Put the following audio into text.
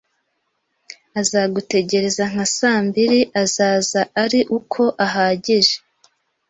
Azagutegereza nka saa mbiri Azaza ari uko ahagije